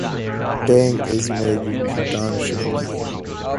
Tang is married to Tan Soh Nee.